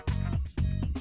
phi thể sinh ra